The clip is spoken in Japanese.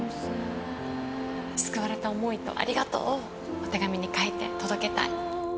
救われた思いとありがとうを手紙に書いて届けたい。